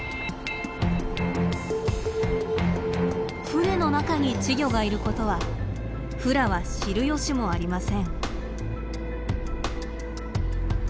船の中に稚魚がいることはフラは知る由もありません。